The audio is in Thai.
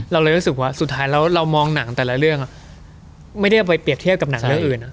เราเลยรู้สึกว่าสุดท้ายแล้วเรามองหนังแต่ละเรื่องไม่ได้เอาไปเปรียบเทียบกับหนังเรื่องอื่น